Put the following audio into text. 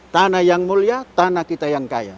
tanah yang mulia tanah kita yang kaya